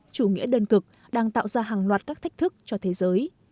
chủ nghĩa đơn cực đang tạo ra hàng loạt các thách thức cho thế giới